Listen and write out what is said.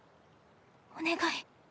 お願い。